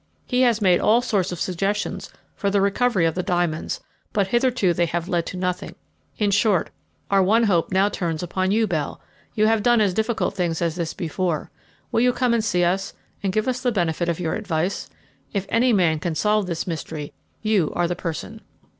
He has made all sorts of suggestions for the recovery of the diamonds, but hitherto they have led to nothing. In short, our one hope now turns upon you, Bell; you have done as difficult things as this before. Will you come and see us, and give us the benefit of your advice? If any man can solve this mystery, you are the person."